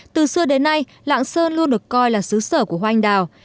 từ xưa đến nay lạng sơn luôn được coi là xứ sở của hoa anh đào